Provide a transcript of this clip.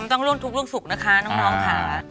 และคุณสุขนะคะน้องค่ะ